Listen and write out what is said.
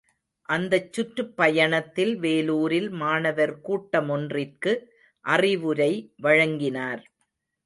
அந்த சுற்றுப் பயணத்தில், வேலூரில், மாணவர் கூட்டமொன்றிற்கு அறிவுரை வழங்கினார்.